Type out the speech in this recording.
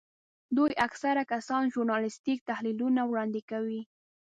دوی اکثره کسان ژورنالیستیک تحلیلونه وړاندې کوي.